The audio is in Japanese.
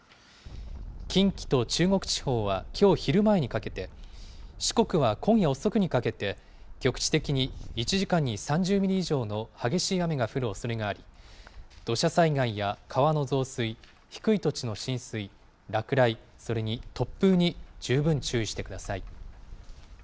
近畿と中国地方はきょう昼前にかけて、四国は今夜遅くにかけて、局地的に１時間に３０ミリ以上の激しい雨が降るおそれがあり、土砂災害や川の増水、低い土地の浸水、落雷、それに突風に十分注意してください。